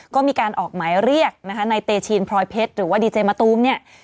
ก็มีการออกหมายเรียกนะคะในเตชีนพลอยเพชรหรือว่าดีเจมะตูมเนี่ย